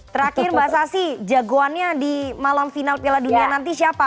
terakhir mbak sasi jagoannya di malam final piala dunia nanti siapa